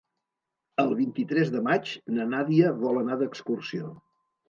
El vint-i-tres de maig na Nàdia vol anar d'excursió.